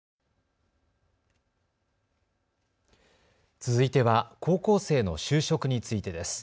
続いては高校生の就職についてです。